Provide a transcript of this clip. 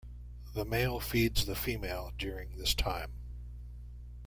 The male feeds the female during this time.